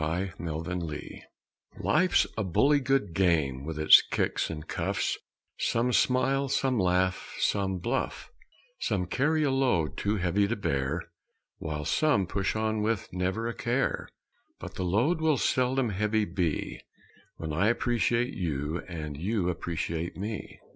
_ APPRECIATION Life's a bully good game with its kicks and cuffs Some smile, some laugh, some bluff; Some carry a load too heavy to bear While some push on with never a care, But the load will seldom heavy be When I appreciate you and you appreciate me.